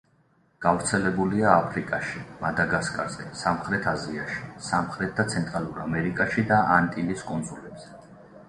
გავრცელებულია აფრიკაში, მადაგასკარზე, სამხრეთ აზიაში, სამხრეთ და ცენტრალურ ამერიკაში და ანტილის კუნძულებზე.